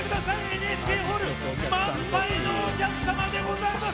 ＮＨＫホール満杯のお客様でございます！